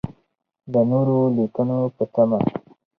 د نورو لیکنو په تمه.